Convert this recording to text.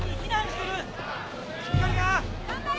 しっかりな！